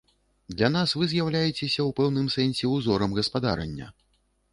Для нас вы з'яўляецеся ў пэўным сэнсе ўзорам гаспадарання.